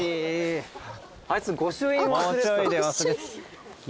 あいつ御朱印忘れてた。